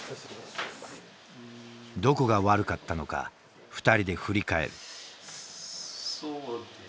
どこが悪かったのか２人で振り返る。